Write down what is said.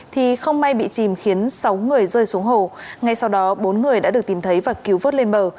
thì không may bị chìm khiến sáu người rơi xuống hồ ngay sau đó bốn người đã được tìm thấy và cứu vớt lên bờ